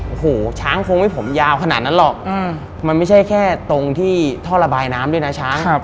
โอ้โหช้างคงไม่ผมยาวขนาดนั้นหรอกมันไม่ใช่แค่ตรงที่ท่อระบายน้ำด้วยนะช้าง